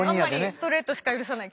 ストレートしか許さない。